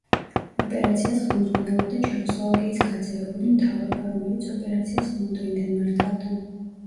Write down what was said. ოპერაციას ხელმძღვანელობდა ჩეხოსლოვაკიის გაძევებული მთავრობა, რომელიც ოპერაციას ლონდონიდან მართავდა.